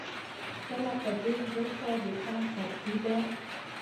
کله په دې زمکه د فن قحطي ده